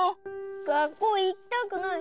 がっこういきたくない。